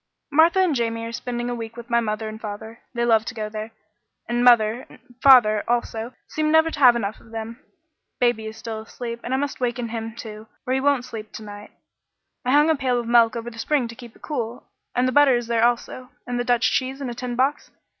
"Martha and Jamie are spending a week with my mother and father. They love to go there, and mother and father, also, seem never to have enough of them. Baby is still asleep, and I must waken him, too, or he won't sleep to night. I hung a pail of milk over the spring to keep it cool, and the butter is there also and the Dutch cheese in a tin box.